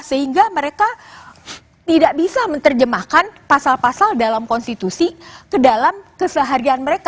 sehingga mereka tidak bisa menerjemahkan pasal pasal dalam konstitusi ke dalam keseharian mereka